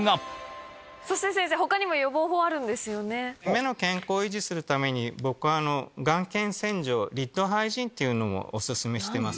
目の健康を維持するために眼瞼洗浄リッドハイジーンというのをお勧めしてます。